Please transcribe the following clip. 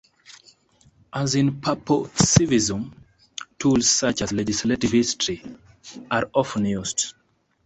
As in purposivism, tools such as legislative history are often used.